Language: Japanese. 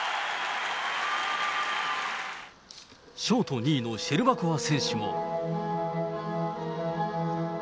ショート２位のシェルバコワ選手も。